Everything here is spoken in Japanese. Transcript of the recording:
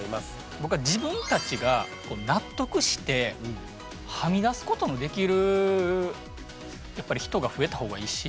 僕は自分たちが納得してはみだすことのできるやっぱり人が増えたほうがいいし。